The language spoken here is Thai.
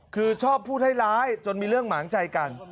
คือชอบพูดร้ายจนมีเรื่องหมางใจกัน